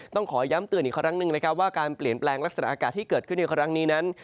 ต้องขอย้ำเตือนอีกครั้งหนึ่งนะครับว่าการเปลี่ยนแปลงลักษณะอากาศที่เกิดขึ้นในครั้งนี้นั้น